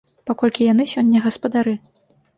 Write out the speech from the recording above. Паколькі яны сёння гаспадары.